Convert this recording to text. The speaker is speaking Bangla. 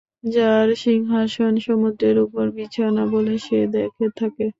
যার সিংহাসন সমুদ্রের উপর বিছানো বলে সে দেখে থাকে।